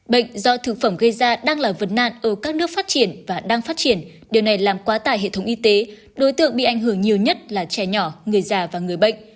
bệnh do thực phẩm gây ra đang là vấn nạn ở các nước phát triển và đang phát triển điều này làm quá tải hệ thống y tế đối tượng bị ảnh hưởng nhiều nhất là trẻ nhỏ người già và người bệnh